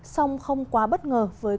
song không quá bất ngờ với các tình nguyện viên